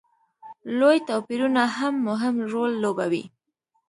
لوی توپیرونه هم مهم رول لوبوي.